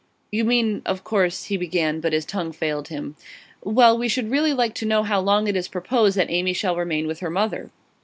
'You mean, of course ' he began; but his tongue failed him. 'Well, we should really like to know how long it is proposed that Amy shall remain with her mother.